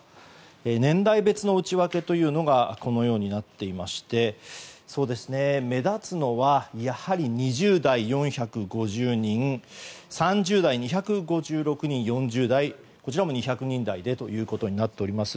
年代別の内訳がこのようになっていまして目立つのはやはり２０代４５０人３０代２５６人４０代も２００人台ということになっております。